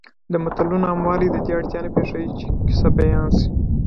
د متلونو عاموالی د دې اړتیا نه پېښوي چې کیسه بیان شي